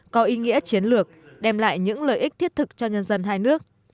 có ý nghĩa chiến lược đem lại những lợi ích thiết thực cho nhân dân hai nước